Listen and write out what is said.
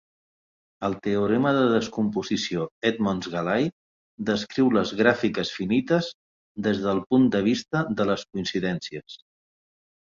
El teorema de descomposició Edmonds-Gallai descriu les gràfiques finites des del punt de vista de les coincidències.